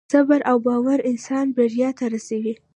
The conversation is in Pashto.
صبر او باور انسان بریا ته رسوي.